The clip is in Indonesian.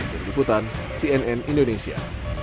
berikutan cnn indonesia